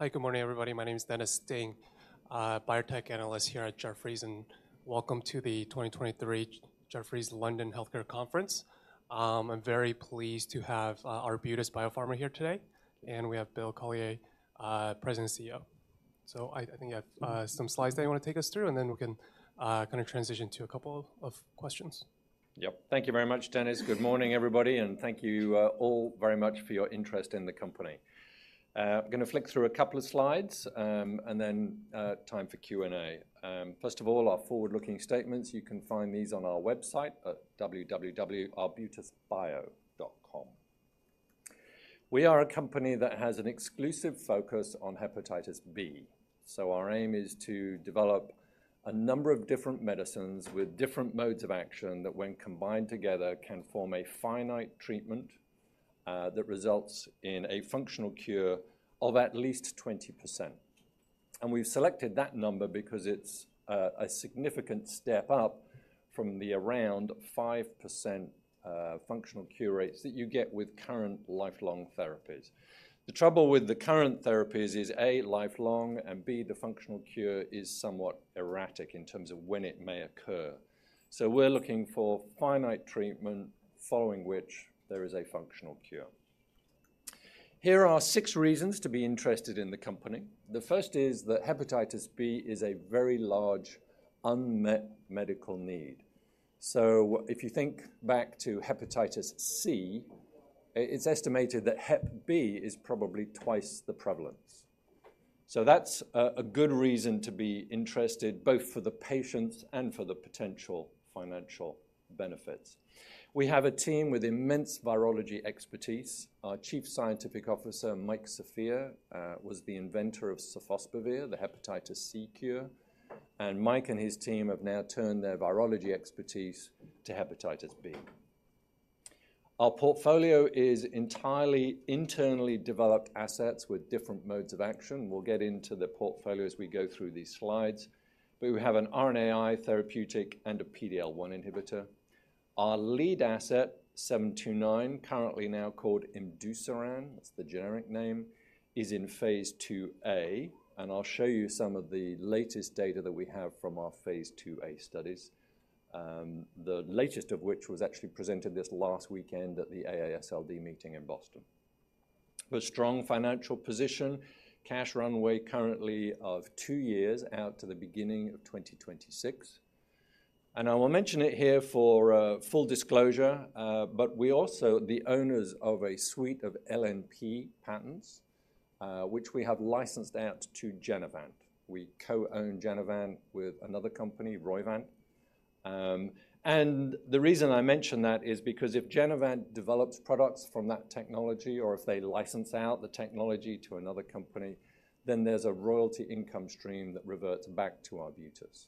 Hi, good morning, everybody. My name is Dennis Ding, Biotech Analyst here at Jefferies, and welcome to the 2023 Jefferies London Healthcare Conference. I'm very pleased to have Arbutus Biopharma here today, and we have Bill Collier, President and CEO. So I think you have some slides that you want to take us through, and then we can kind of transition to a couple of questions. Yep. Thank you very much, Dennis. Good morning, everybody, and thank you all very much for your interest in the company. I'm gonna flick through a couple of slides, and then time for Q&A. First of all, our forward-looking statements, you can find these on our website at www.arbutusbio.com. We are a company that has an exclusive focus on hepatitis B, so our aim is to develop a number of different medicines with different modes of action that when combined together, can form a finite treatment that results in a functional cure of at least 20%. And we've selected that number because it's a significant step up from the around 5% functional cure rates that you get with current lifelong therapies. The trouble with the current therapies is, A, lifelong, and B, the functional cure is somewhat erratic in terms of when it may occur. So we're looking for finite treatment, following which there is a functional cure. Here are six reasons to be interested in the company. The first is that hepatitis B is a very large, unmet medical need. So if you think back to hepatitis C, it, it's estimated that hep B is probably twice the prevalence. So that's a, a good reason to be interested, both for the patients and for the potential financial benefits. We have a team with immense virology expertise. Our Chief Scientific Officer, Mike Sofia, was the inventor of sofosbuvir, the hepatitis C cure, and Mike and his team have now turned their virology expertise to hepatitis B. Our portfolio is entirely internally developed assets with different modes of action. We'll get into the portfolio as we go through these slides, but we have an RNAi therapeutic and a PD-L1 inhibitor. Our lead asset, 729, currently now called imdusiran, that's the generic name, is in phase II-A, and I'll show you some of the latest data that we have from our phase II-A studies, the latest of which was actually presented this last weekend at the AASLD meeting in Boston. A strong financial position, cash runway currently of two years out to the beginning of 2026, and I will mention it here for full disclosure, but we're also the owners of a suite of LNP patents, which we have licensed out to Genevant. We co-own Genevant with another company, Roivant. And the reason I mention that is because if Genevant develops products from that technology or if they license out the technology to another company, then there's a royalty income stream that reverts back to Arbutus.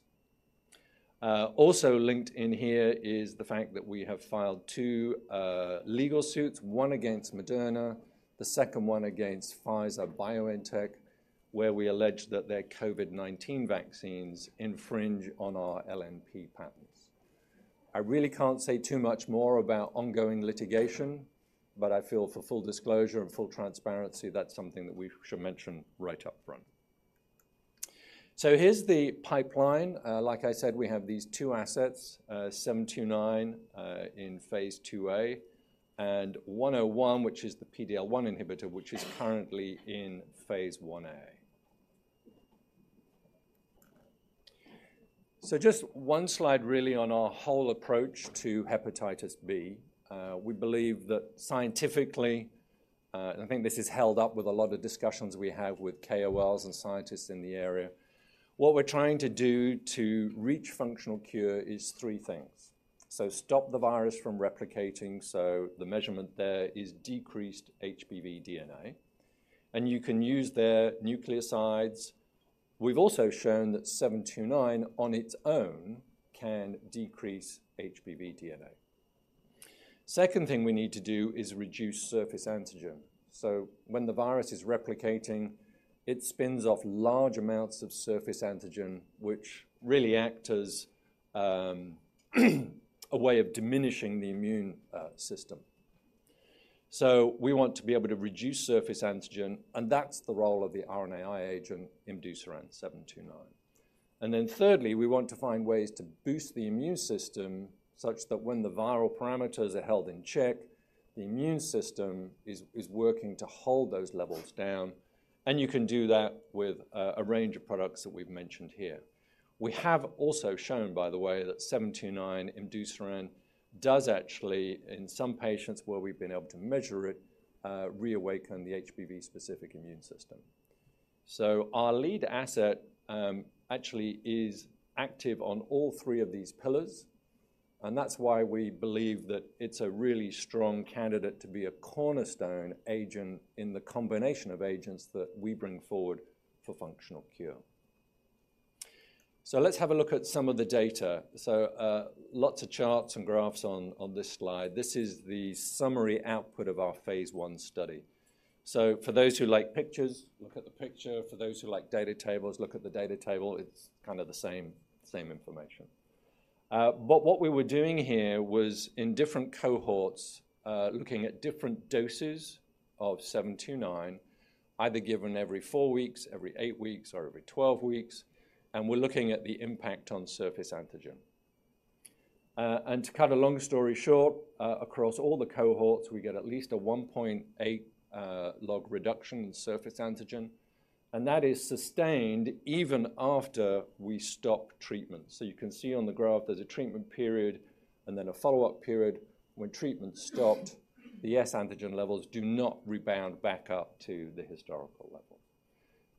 Also linked in here is the fact that we have filed two legal suits, one against Moderna, the second one against Pfizer-BioNTech, where we allege that their COVID-19 vaccines infringe on our LNP patents. I really can't say too much more about ongoing litigation, but I feel for full disclosure and full transparency, that's something that we should mention right up front. So here's the pipeline. Like I said, we have these two assets, 729 in phase II-A, and 101, which is the PD-L1 inhibitor, which is currently in phase I-A. So just one slide really on our whole approach to hepatitis B. We believe that scientifically, and I think this is held up with a lot of discussions we have with KOLs and scientists in the area, what we're trying to do to reach functional cure is three things: so stop the virus from replicating, so the measurement there is decreased HBV DNA, and you can use there nucleosides. We've also shown that 729 on its own can decrease HBV DNA. Second thing we need to do is reduce surface antigen. So when the virus is replicating, it spins off large amounts of surface antigen, which really act as a way of diminishing the immune system. So we want to be able to reduce surface antigen, and that's the role of the RNAi agent, imdusiran 729. And then thirdly, we want to find ways to boost the immune system, such that when the viral parameters are held in check, the immune system is working to hold those levels down, and you can do that with a range of products that we've mentioned here. We have also shown, by the way, that 729 imdusiran does actually, in some patients where we've been able to measure it, reawaken the HBV-specific immune system. So our lead asset, actually is active on all three of these pillars, and that's why we believe that it's a really strong candidate to be a cornerstone agent in the combination of agents that we bring forward for functional cure. So let's have a look at some of the data. So, lots of charts and graphs on this slide. This is the summary output of our phase I study. So for those who like pictures, look at the picture. For those who like data tables, look at the data table. It's kind of the same, same information. But what we were doing here was in different cohorts, looking at different doses of 729, either given every four weeks, every eight weeks, or every 12 weeks, and we're looking at the impact on surface antigen. And to cut a long story short, across all the cohorts, we get at least a 1.8 log reduction in surface antigen, and that is sustained even after we stop treatment. So you can see on the graph there's a treatment period and then a follow-up period. When treatment stopped, the S antigen levels do not rebound back up to the historical level.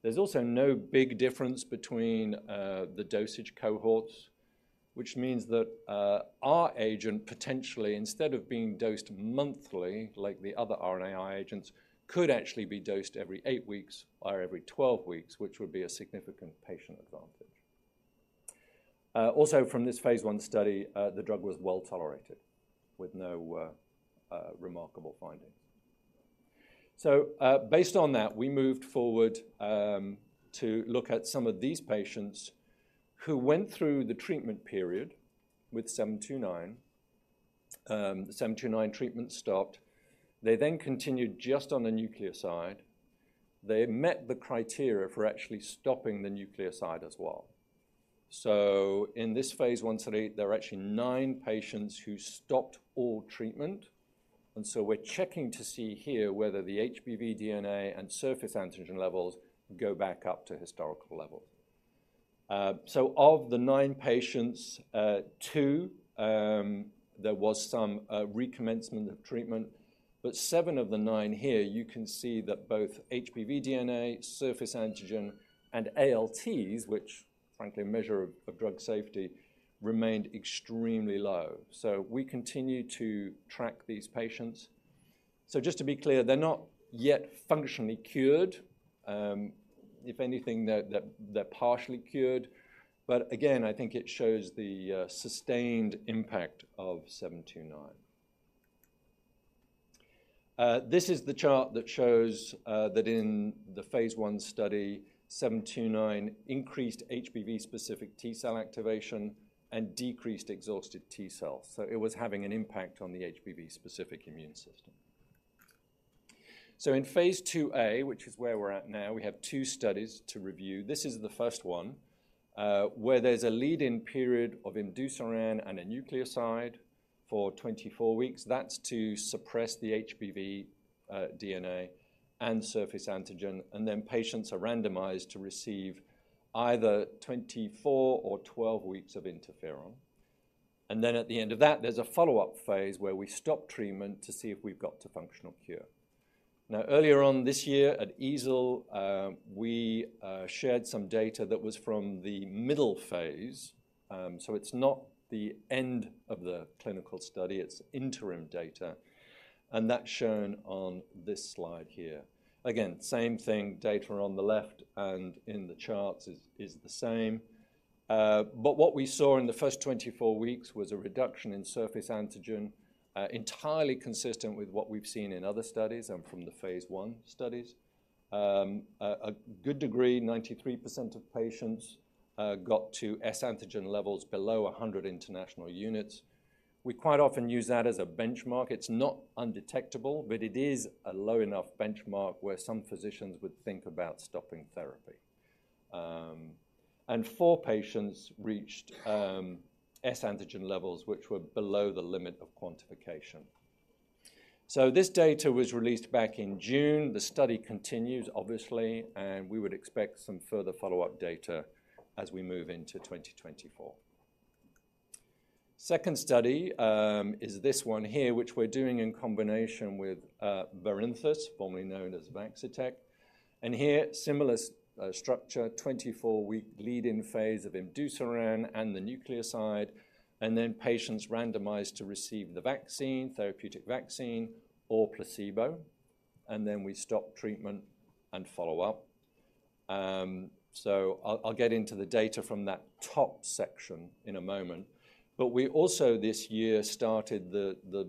There's also no big difference between the dosage cohorts, which means that our agent potentially, instead of being dosed monthly like the other RNAi agents, could actually be dosed every eight weeks or every 12 weeks, which would be a significant patient advantage. Also from this phase I study, the drug was well tolerated with no remarkable findings. So, based on that, we moved forward to look at some of these patients who went through the treatment period with 729. The 729 treatment stopped. They then continued just on the nucleoside. They met the criteria for actually stopping the nucleoside as well. So in this phase I study, there are actually nine patients who stopped all treatment, and so we're checking to see here whether the HBV DNA and surface antigen levels go back up to historical levels. So of the nine patients, two, there was some recommencement of treatment, but seven of the nine here, you can see that both HBV DNA, surface antigen, and ALTs, which frankly a measure of drug safety, remained extremely low. So we continue to track these patients. So just to be clear, they're not yet functionally cured. If anything, they're partially cured. But again, I think it shows the sustained impact of 729. This is the chart that shows that in the phase I study, 729 increased HBV-specific T cell activation and decreased exhausted T cells, so it was having an impact on the HBV-specific immune system. So in phase II-A, which is where we're at now, we have two studies to review. This is the first one, where there's a lead-in period of imdusiran and a nucleoside for 24 weeks. That's to suppress the HBV DNA and surface antigen, and then patients are randomized to receive either 24 or 12 weeks of interferon. Then at the end of that, there's a follow-up phase where we stop treatment to see if we've got a functional cure. Now, earlier this year at EASL, we shared some data that was from the middle phase. So it's not the end of the clinical study, it's interim data, and that's shown on this slide here. Again, same thing, data on the left and in the charts is the same. But what we saw in the first 24 weeks was a reduction in surface antigen, entirely consistent with what we've seen in other studies and from the phase I studies. A good degree, 93% of patients got to S antigen levels below 100 international units. We quite often use that as a benchmark. It's not undetectable, but it is a low enough benchmark where some physicians would think about stopping therapy. And four patients reached S antigen levels which were below the limit of quantification. So this data was released back in June. The study continues, obviously, and we would expect some further follow-up data as we move into 2024. Second study is this one here, which we're doing in combination with Barinthus, formerly known as Vaccitech. And here, similar structure, 24-week lead-in phase of imdusiran and the nucleoside, and then patients randomized to receive the vaccine, therapeutic vaccine or placebo, and then we stop treatment and follow up. So I'll get into the data from that top section in a moment. But we also this year started the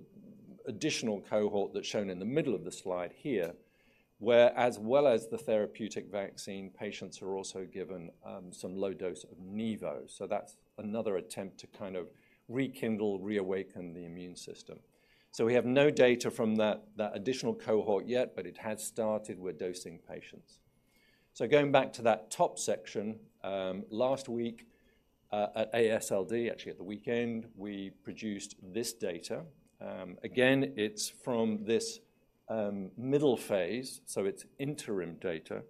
additional cohort that's shown in the middle of the slide here, where as well as the therapeutic vaccine, patients are also given some low dose of nivo. So that's another attempt to kind of rekindle, reawaken the immune system. So we have no data from that additional cohort yet, but it has started with dosing patients. So going back to that top section, last week, at AASLD, actually at the weekend, we produced this data. Again, it's from this middle phase, so it's interim data.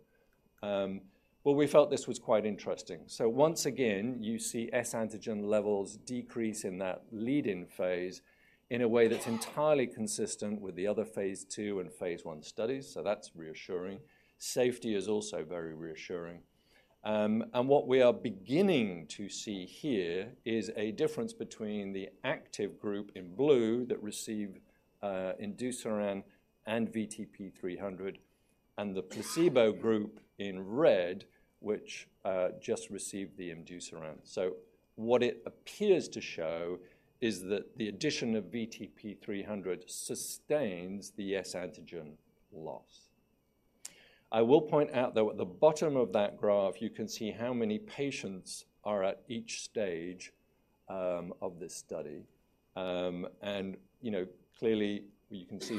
But we felt this was quite interesting. So once again, you see S antigen levels decrease in that lead-in phase in a way that's entirely consistent with the other phase II and phase I studies, so that's reassuring. Safety is also very reassuring. And what we are beginning to see here is a difference between the active group in blue that received imdusiran and VTP-300, and the placebo group in red, which just received the imdusiran. So what it appears to show is that the addition of VTP-300 sustains the S antigen loss. I will point out, though, at the bottom of that graph, you can see how many patients are at each stage of this study. And, you know, clearly, you can see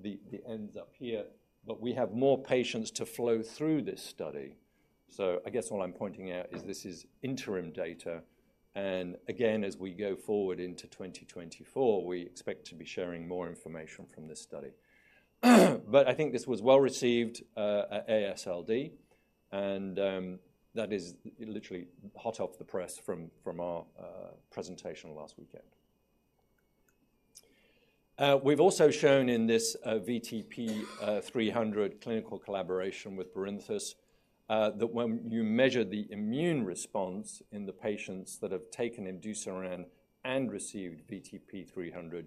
the ends up here, but we have more patients to flow through this study. So I guess what I'm pointing out is this is interim data, and again, as we go forward into 2024, we expect to be sharing more information from this study. But I think this was well received at AASLD, and that is literally hot off the press from our presentation last weekend. We've also shown in this VTP-300 clinical collaboration with Barinthus that when you measure the immune response in the patients that have taken imdusiran and received VTP-300,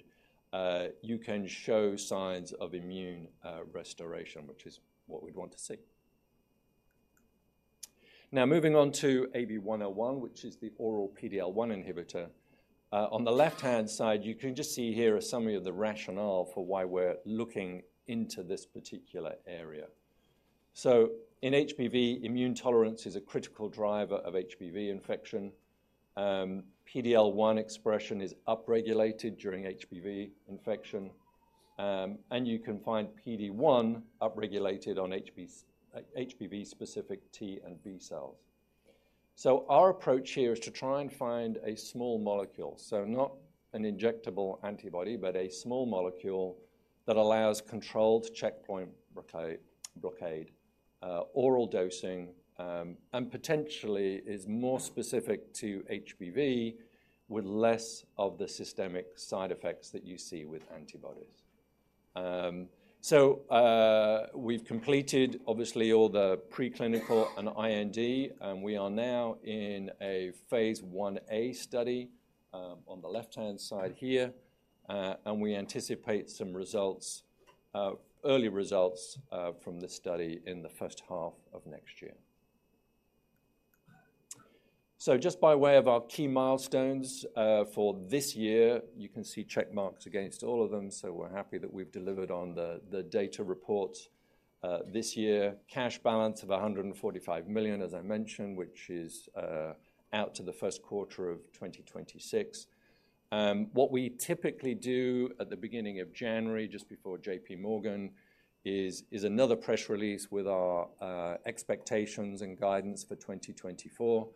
you can show signs of immune restoration, which is what we'd want to see. Now, moving on to AB-101, which is the oral PD-L1 inhibitor. On the left-hand side, you can just see here a summary of the rationale for why we're looking into this particular area. So in HBV, immune tolerance is a critical driver of HBV infection. PD-L1 expression is upregulated during HBV infection, and you can find PD-1 upregulated on HBV specific T and B cells. So our approach here is to try and find a small molecule, so not an injectable antibody, but a small molecule that allows controlled checkpoint blockade, oral dosing, and potentially is more specific to HBV with less of the systemic side effects that you see with antibodies. So, we've completed obviously all the preclinical and IND, and we are now in a phase I-A study, on the left-hand side here, and we anticipate some results, early results, from this study in the first half of next year. So just by way of our key milestones for this year, you can see check marks against all of them, so we're happy that we've delivered on the data reports. This year, cash balance of $145 million as I mentioned, which is out to the first quarter of 2026. What we typically do at the beginning of January, just before JPMorgan, is another press release with our expectations and guidance for 2024.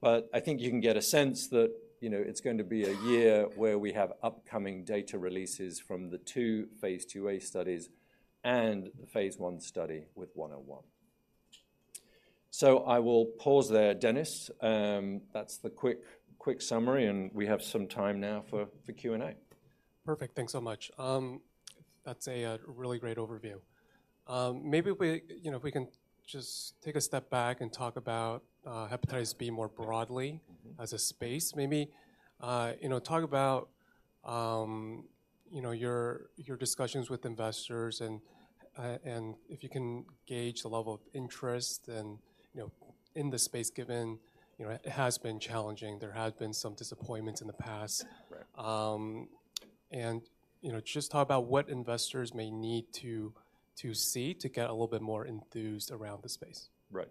But I think you can get a sense that, you know, it's going to be a year where we have upcoming data releases from the two phase II-A studies and the phase I study with 101. So I will pause there, Dennis. That's the quick summary, and we have some time now for the Q&A. Perfect. Thanks so much. That's a really great overview. Maybe we, you know, if we can just take a step back and talk about hepatitis B more broadly as a space, maybe, you know, talk about, you know, your discussions with investors and if you can gauge the level of interest, you know, in the space given, you know, it has been challenging. There have been some disappointments in the past. Right. You know, just talk about what investors may need to see to get a little bit more enthused around the space. Right.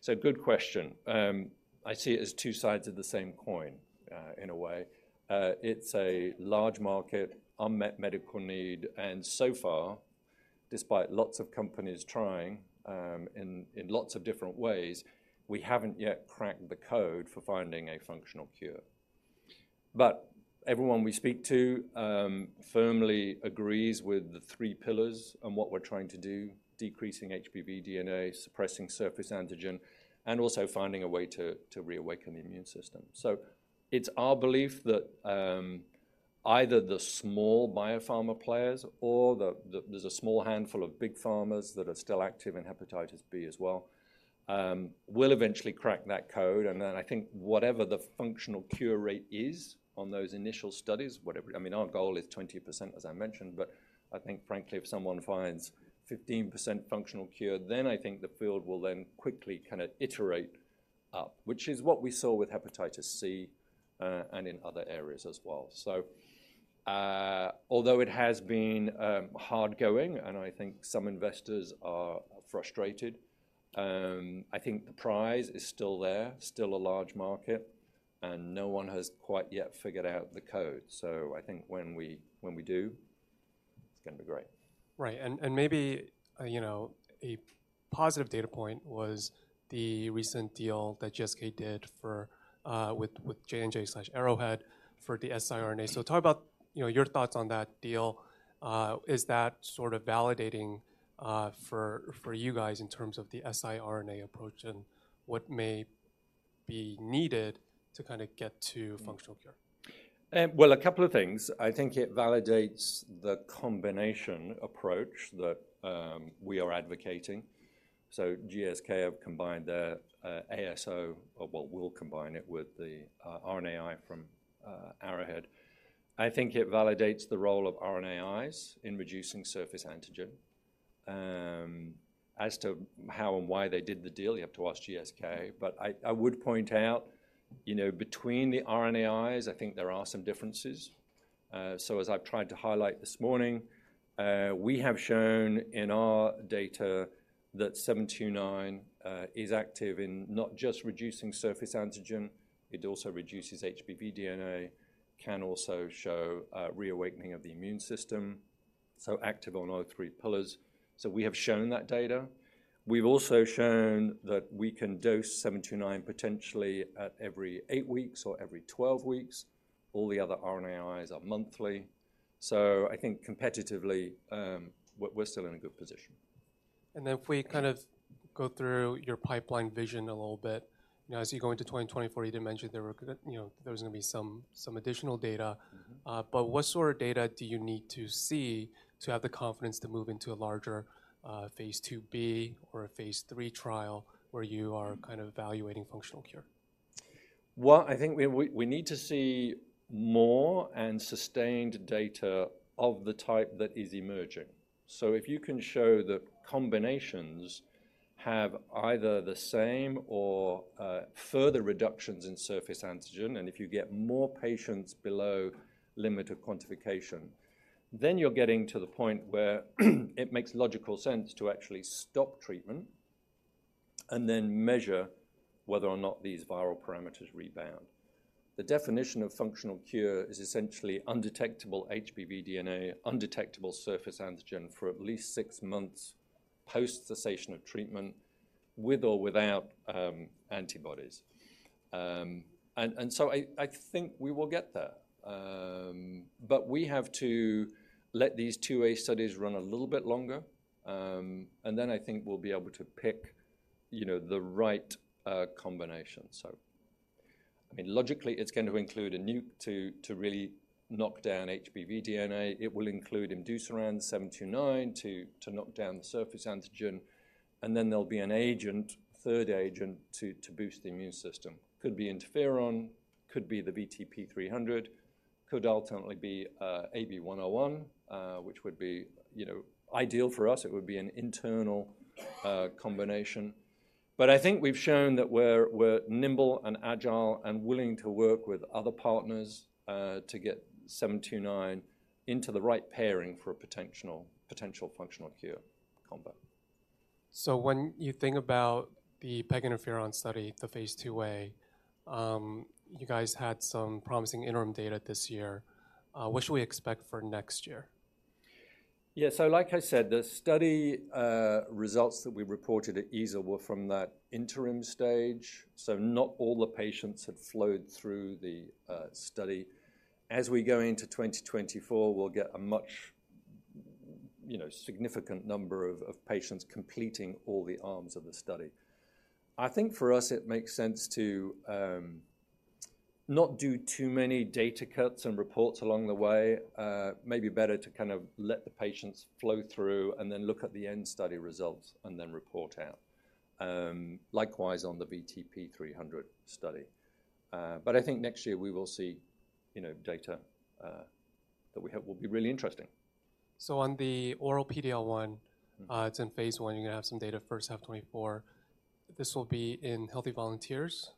So good question. I see it as two sides of the same coin, in a way. It's a large market, unmet medical need, and so far, despite lots of companies trying, in lots of different ways, we haven't yet cracked the code for finding a functional cure. But everyone we speak to firmly agrees with the three pillars on what we're trying to do: decreasing HBV DNA, suppressing surface antigen, and also finding a way to reawaken the immune system. So it's our belief that either the small biopharma players or there's a small handful of big pharmas that are still active in hepatitis B as well will eventually crack that code, and then I think whatever the functional cure rate is on those initial studies, I mean, our goal is 20%, as I mentioned, but I think frankly, if someone finds 15% functional cure, then I think the field will then quickly kind of iterate up, which is what we saw with hepatitis C and in other areas as well. So although it has been hard going, and I think some investors are frustrated, I think the prize is still there, still a large market, and no one has quite yet figured out the code. So I think when we do, it's gonna be great. Right. And maybe, you know, a positive data point was the recent deal that GSK did for, with J&J/Arrowhead for the siRNA. So talk about, you know, your thoughts on that deal. Is that sort of validating, for you guys in terms of the siRNA approach and what may be needed to kinda get to functional cure? Well, a couple of things. I think it validates the combination approach that we are advocating. So GSK have combined their ASO, or well, we'll combine it with the RNAi from Arrowhead. I think it validates the role of RNAis in reducing surface antigen. As to how and why they did the deal, you have to ask GSK, but I, I would point out, you know, between the RNAis, I think there are some differences. So as I've tried to highlight this morning, we have shown in our data that 729 is active in not just reducing surface antigen, it also reduces HBV DNA, can also show reawakening of the immune system, so active on all three pillars. So we have shown that data. We've also shown that we can dose 729 potentially at every eight weeks or every 12 weeks. All the other RNAis are monthly. So I think competitively, we're still in a good position. If we kind of go through your pipeline vision a little bit, you know, as you go into 2024, you mentioned there were you know, there was gonna be some, some additional data. What sort of data do you need to see to have the confidence to move into a larger phase II-B or a phase III trial where you are kind of evaluating functional cure? Well, I think we need to see more and sustained data of the type that is emerging. So if you can show that combinations have either the same or further reductions in surface antigen, and if you get more patients below limit of quantification, then you're getting to the point where it makes logical sense to actually stop treatment and then measure whether or not these viral parameters rebound. The definition of functional cure is essentially undetectable HBV DNA, undetectable surface antigen for at least six months post cessation of treatment, with or without antibodies. And so I think we will get there. But we have to let these two-year studies run a little bit longer, and then I think we'll be able to pick, you know, the right combination. So, I mean, logically, it's going to include a nuke to really knock down HBV DNA. It will include imdusiran 729 to knock down the surface antigen, and then there'll be an agent, third agent to boost the immune system. Could be interferon, could be the VTP-300, could ultimately be AB-101, which would be, you know, ideal for us. It would be an internal combination. But I think we've shown that we're nimble and agile and willing to work with other partners to get 729 into the right pairing for a potential functional cure combo. So when you think about the peg interferon study, the phase II-A, you guys had some promising interim data this year. What should we expect for next year? Yeah, so like I said, the study results that we reported at EASL were from that interim stage, so not all the patients had flowed through the study. As we go into 2024, we'll get a much, you know, significant number of patients completing all the arms of the study. I think for us, it makes sense to not do too many data cuts and reports along the way. Maybe better to kind of let the patients flow through and then look at the end study results and then report out. Likewise, on the VTP-300 study. But I think next year we will see, you know, data that we have will be really interesting. So on the oral PD-L1. It's in phase I. You're going to have some data first half 2024. This will be in healthy volunteers?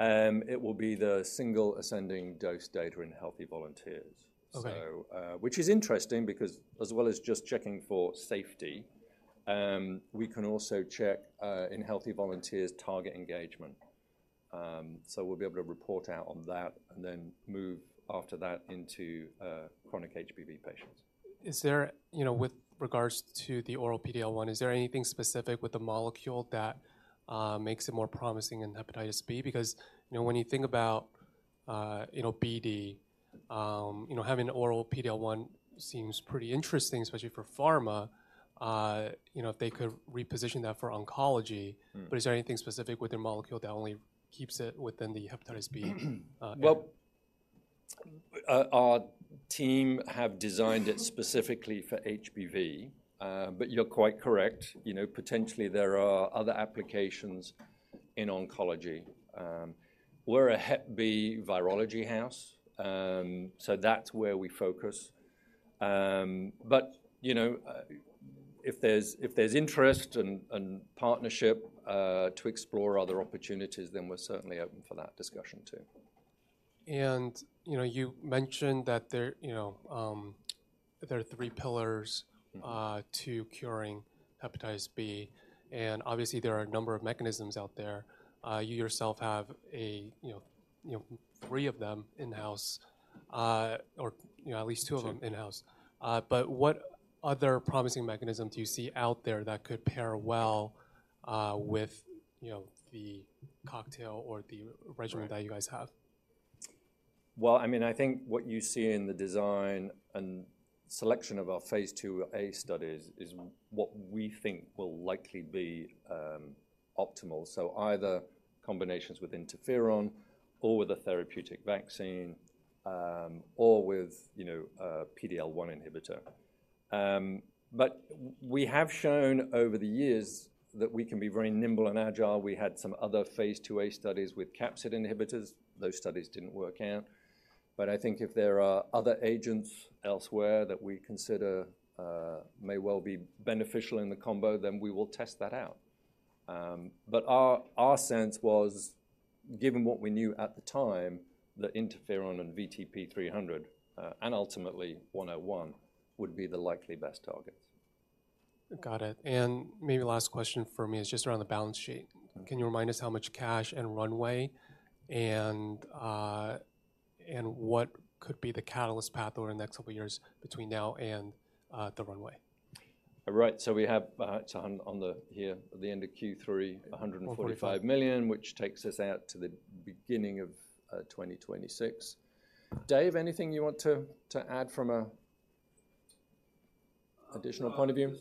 It will be the single ascending dose data in healthy volunteers. Okay. Which is interesting because as well as just checking for safety, we can also check in healthy volunteers, target engagement. We'll be able to report out on that and then move after that into chronic HBV patients. Is there, you know, with regards to the oral PD-L1, is there anything specific with the molecule that makes it more promising in hepatitis B? Because, you know, when you think about, you know, PD, you know, having oral PD-L1 seems pretty interesting, especially for pharma, you know, if they could reposition that for oncology. But is there anything specific with your molecule that only keeps it within the hepatitis B? Well, our team have designed it specifically for HBV, but you're quite correct. You know, potentially there are other applications in oncology. We're a hep B virology house, so that's where we focus. But, you know, if there's, if there's interest and, and partnership, to explore other opportunities, then we're certainly open for that discussion, too. You know, you mentioned that there, you know, there are three pillars to curing hepatitis B, and obviously, there are a number of mechanisms out there. You yourself have, you know, three of them in-house, or, you know, at least two of them in-house. But what other promising mechanism do you see out there that could pair well, with, you know, the cocktail or the regimen that you guys have? Well, I mean, I think what you see in the design and selection of our phase II-A studies is what we think will likely be optimal. So either combinations with interferon or with a therapeutic vaccine, or with, you know, a PD-L1 inhibitor. But we have shown over the years that we can be very nimble and agile. We had some other phase II-A studies with capsid inhibitors. Those studies didn't work out, but I think if there are other agents elsewhere that we consider may well be beneficial in the combo, then we will test that out. But our sense was, given what we knew at the time, that interferon and VTP-300 and ultimately AB-101 would be the likely best targets. Got it. And maybe last question for me is just around the balance sheet. Okay. Can you remind us how much cash and runway and what could be the catalyst path over the next couple of years between now and the runway? Right. So we have here at the end of Q3, $145 million. $145 million Which takes us out to the beginning of 2026. Dave, anything you want to add from an additional point of view?